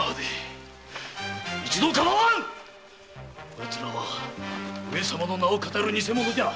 こいつらは上様の名をカタる偽者じゃ。